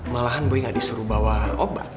malahan boy gak disuruh bawa obat